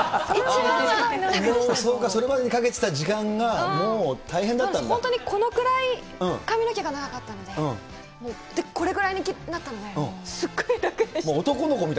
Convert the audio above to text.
そうか、それまでかけてた時本当にこのくらい、髪の毛が長かったので、これぐらいになったので、すっごい楽でした。